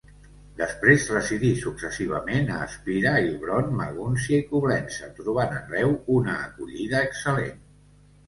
Després residí successivament a Espira, Heilbronn, Magúncia i Coblença, trobant arreu una acollida excel·lent.